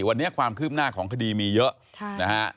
วันนี้ความคืบหน้าของคดีมีเยอะนะฮะ